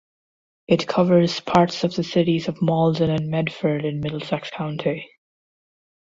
It covers parts of the cities of Malden and Medford in Middlesex County.